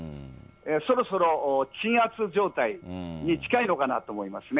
そろそろ鎮圧状態に近いのかなと思いますね。